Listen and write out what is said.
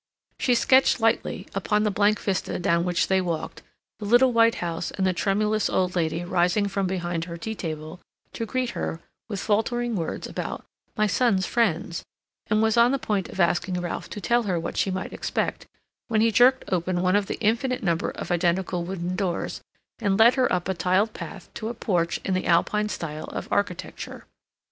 She sketched lightly, upon the blank vista down which they walked, the little white house and the tremulous old lady rising from behind her tea table to greet her with faltering words about "my son's friends," and was on the point of asking Ralph to tell her what she might expect, when he jerked open one of the infinite number of identical wooden doors, and led her up a tiled path to a porch in the Alpine style of architecture.